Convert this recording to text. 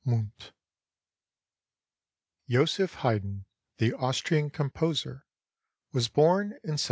MUNDt) [Joseph Haydn, the Austrian composer, was born in 1737.